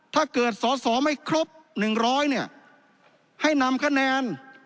ถ้าเกิดสอสอไม่ครบหนึ่งร้อยเนี่ยให้นำคะแนน